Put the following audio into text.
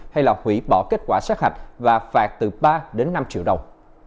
hay là hủy bỏ kết quả sát hạch và phạt từ ba đến năm triệu đồng